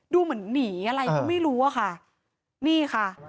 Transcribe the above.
ดูเหมือนหนีอะไรก็ไม่รู้อะค่ะนี่ค่ะ